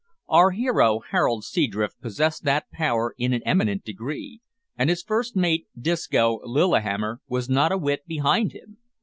Our hero, Harold Seadrift possessed that power in an eminent degree, and his first mate, Disco Lillihammer, was not a whit behind him.